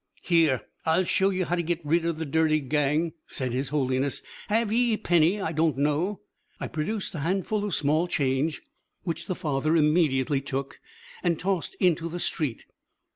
"Here, I'll show you how to get rid of the dirty gang," said his holiness. "Have ye a penny, I don't know?" I produced a handful of small change, which the father immediately took and tossed into the street.